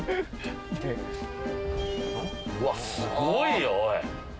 うわすごいよおい。